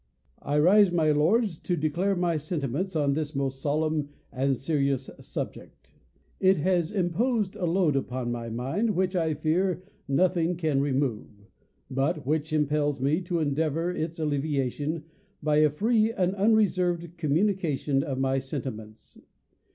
1RISE, my lords, to declare my sentiments on thi» most solemn and serious suoject. It has imposed a load upon my mind, which, I fear, nothing can re move ; but which impels me to endeavour its alleviation, hy a free and unreserved communication of my senti ments.